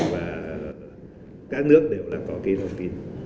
và các nước đều là có cái đồng tin